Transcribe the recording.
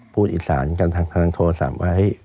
พูดอีสานกันทางทางโทรศัพท์ว่า